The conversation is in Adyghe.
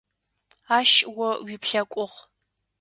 Ащ о уиуплъэкӏугъ.